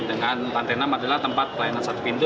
dengan lantai enam adalah tempat pelayanan satu pintu